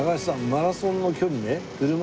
マラソンの距離ね。